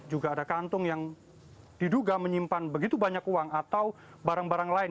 juga ada kantong yang diduga menyimpan begitu banyak uang atau barang barang lain